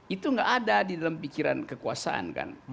itu nggak ada di dalam pikiran kekuasaan kan